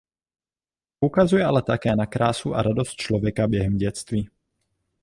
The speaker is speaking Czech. Poukazuje ale také na krásu a radost člověka během dětství.